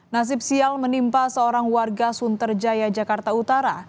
nasib sial menimpa seorang warga sunterjaya jakarta utara